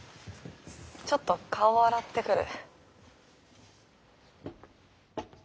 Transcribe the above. ちょっと顔を洗ってくる。